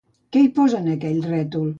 Què hi posa en aquell rètol?